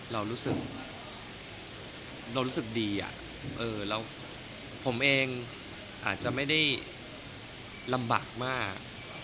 เรารู้สึกเรารู้สึกดีแล้วผมเองอาจจะไม่ได้ลำบากมาก